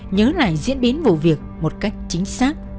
nhớ lại diễn biến vụ việc một cách chính xác